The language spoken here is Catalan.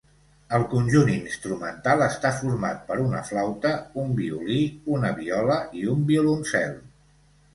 El conjunt instrumental està format per una flauta, un violí, una viola i un violoncel.